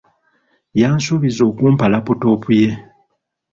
Yansuubiza okumpa laputopu ye.